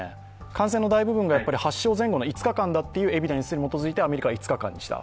感染の大部分が発症前後の５日間だというエビデンスに基づいてアメリカは５日間にした。